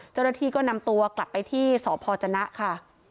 เจ้าหน้าที่ก็นำตัวกลับไปที่สพจนะค่ะ